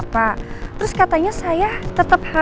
ferry siapa itu